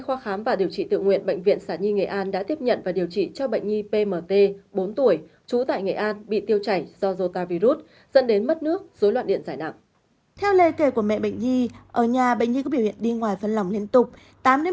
qua thăm khám ban đầu các bác sĩ xác định bệnh nhân bị dao đâm thống ngược trái đau ngực vã mồ hôi buồn nôn đau bụng hạ sườn trái